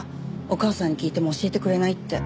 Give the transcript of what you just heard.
お母さんに聞いても教えてくれないって。